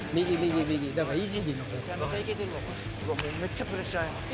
めっちゃプレッシャーや。